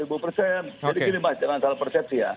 jadi gini mas dengan salah persepsi ya